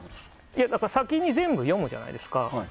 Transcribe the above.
いや、先に全部読むじゃないですか。